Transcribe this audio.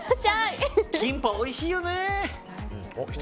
キンパはおいしいよね！